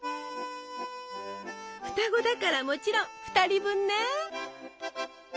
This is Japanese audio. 双子だからもちろん２人分ね！